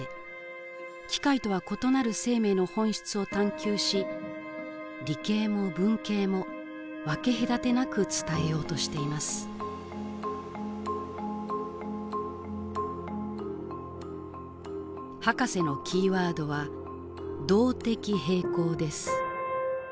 機械とは異なる生命の本質を探求し理系も文系も分け隔てなく伝えようとしていますハカセのキーワードは「動的平衡」です